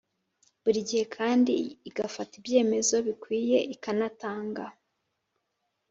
Buri gihe kandi igafata ibyemezo bikwiye ikanatanga